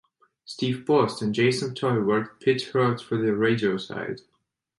Steve Post and Jason Toy worked pit road for the radio side.